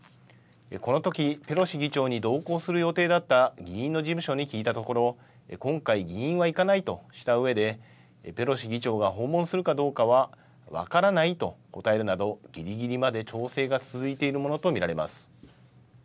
このときペロシ議長に同行する予定だった議員の事務所に聞いたところ今回、議員は行かないとしたうえでペロシ議長が訪問するかどうかは分からないと答えるなどぎりぎりまで調整が続いているものと見られます。